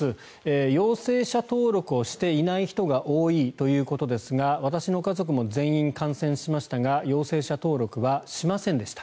陽性者登録をしていない人が多いということですが私の家族も全員感染しましたが陽性者登録はしませんでした。